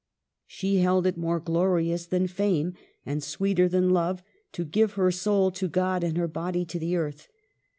She held it more glorious than fame, # and sweeter than love, to give her soul to God and her body to the earth.